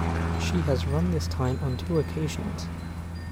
She has run this time on two occasions.